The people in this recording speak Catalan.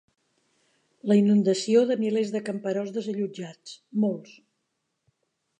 La inundació de milers de camperols desallotjats, molts.